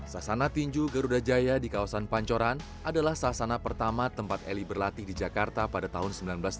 sasana tinju garuda jaya di kawasan pancoran adalah sasana pertama tempat eli berlatih di jakarta pada tahun seribu sembilan ratus delapan puluh